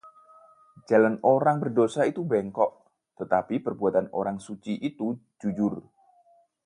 Jalan orang berdosa itu bengkok, tetapi perbuatan orang suci itu jujur.